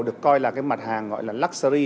được coi là mặt hàng luxury